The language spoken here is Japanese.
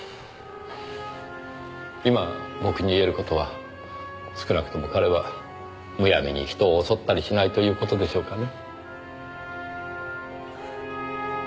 今僕に言える事は少なくとも彼はむやみに人を襲ったりしないという事でしょうかね。